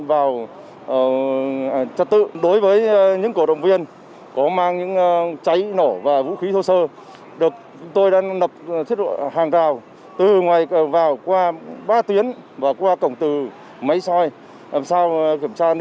do số lượng cổ động viên đến sân từ rất sớm